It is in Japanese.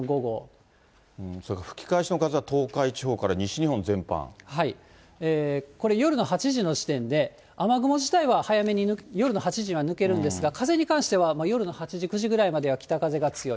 吹き返しの風が、東海地方かこれ、夜の８時の時点で、雨雲自体は早めに夜の８時には抜けるんですが、風に関しては、夜の８時、９時ぐらいまでは北風が強い。